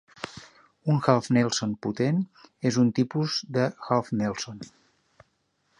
Un half nelson potent és un tipus de half nelson.